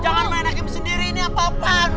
jangan main game sendiri ini pak